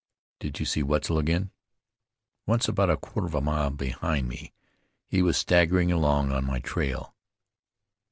"Did you see Wetzel again?" "Once, about a quarter of a mile behind me. He was staggering along on my trail."